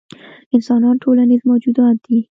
انسانان ټولنیز موجودات دي.